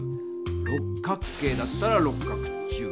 六角形だったら「六角柱」。